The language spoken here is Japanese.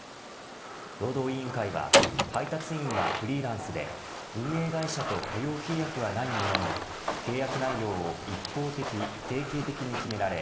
労働委員会は配達員はフリーランスで運営会社と雇用契約はないものの契約内容を一方的定型的に決められ